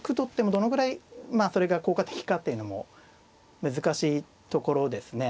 どのぐらいまあそれが効果的かっていうのも難しいところですね。